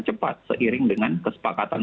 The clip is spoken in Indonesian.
cepat seiring dengan kesepakatan